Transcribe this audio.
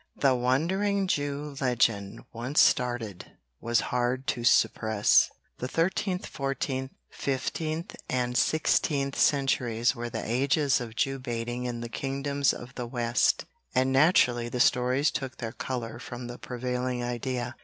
The "Wandering Jew" legend once started, was hard to suppress. The thirteenth, fourteenth, fifteenth and sixteenth centuries were the ages of Jew baiting in the kingdoms of the West, and naturally the stories took their colour from the prevailing idea.